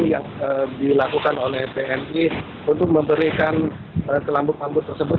yang dilakukan oleh bni untuk memberikan kelamu kelamu tersebut